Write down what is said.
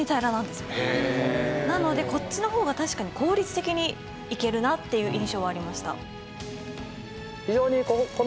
「なのでこっちの方が確かに効率的に行けるなっていう印象はありました」